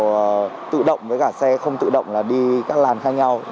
và tự động với cả xe không tự động là đi các làn khác nhau